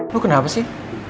lu kenapa sih